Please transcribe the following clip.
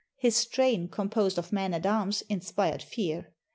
His train, composed of men at arms, inspired fear.